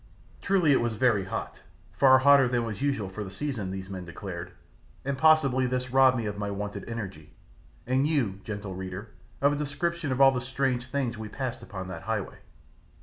Truly it was very hot, far hotter than was usual for the season, these men declared, and possibly this robbed me of my wonted energy, and you, gentle reader, of a description of all the strange things we passed upon that highway.